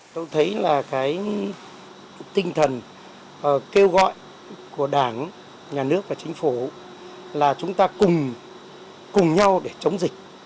tôi thấy là cái tinh thần kêu gọi của đảng nhà nước và chính phủ là chúng ta cùng nhau để chống dịch